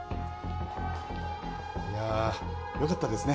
いやあよかったですね